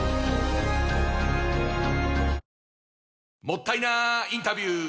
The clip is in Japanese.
もったいなインタビュー！